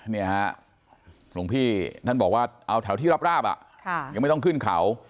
นี่ฮะหลวงพี่ท่านบอกว่าเอาแถวที่ราบยังไม่ต้องขึ้นเขา